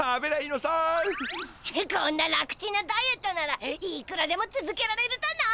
こんな楽ちんなダイエットならいくらでもつづけられるだな。